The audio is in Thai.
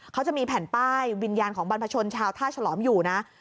เขาจะมีแผ่นป้ายวิญญาณของบรรพชนชาวท่าฉลอมอยู่นะ